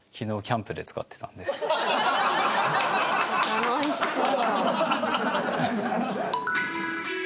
楽しそう。